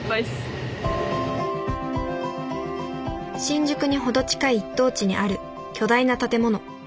新宿に程近い一等地にある巨大な建物。